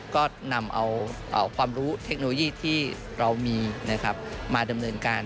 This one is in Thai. ก็นำเอาความรู้เทคโนโลยีที่เรามีมาดำเนินการ